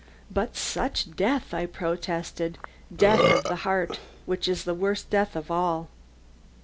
"But such death!" I protested; "death of the heart, which is the worst death of all."